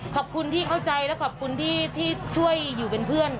ขอบคุณที่เข้าใจและขอบคุณที่ช่วยอยู่เป็นเพื่อน